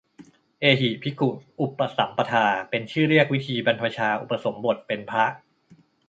เอหิภิกขุอุปสัมปทา เป็นชื่อเรียกวิธีบรรพชาอุปสมบทเป็นพระ